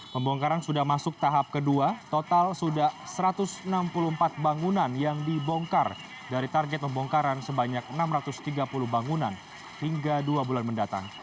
pembongkaran sudah masuk tahap kedua total sudah satu ratus enam puluh empat bangunan yang dibongkar dari target pembongkaran sebanyak enam ratus tiga puluh bangunan hingga dua bulan mendatang